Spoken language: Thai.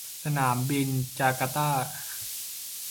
สนามบินจาการ์ตา